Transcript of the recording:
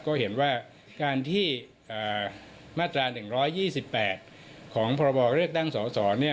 ก็เห็นว่าการที่มาตรา๑๒๘ของพรบเลือกตั้งสสเนี่ย